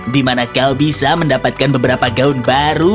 dimana kau bisa mendapatkan beberapa gaun baru